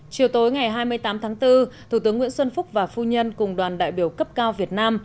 chiều tối ngày hai mươi tám tháng bốn thủ tướng nguyễn xuân phúc và phu nhân cùng đoàn đại biểu cấp cao việt nam